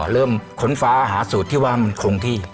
เริ่มขนฟ้าหาสูตรที่ว่ามันคลุมที่